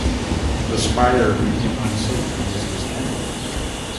The spire became unsafe and was dismantled.